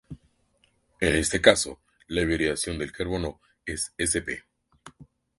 En este caso la hibridación del carbono es sp.